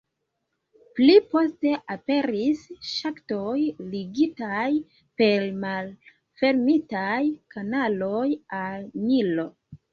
Pli poste aperis ŝaktoj, ligitaj per malfermitaj kanaloj al Nilo.